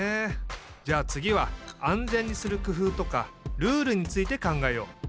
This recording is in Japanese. じゃあつぎはあんぜんにするくふうとかルールについて考えよう。